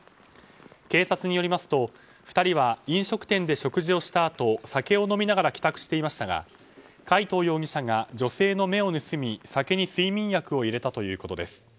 警察によりますと２人は飲食店で食事をしたあと酒を飲みながら帰宅していましたが海藤容疑者が女性の目を盗み、酒に睡眠薬を入れたということです。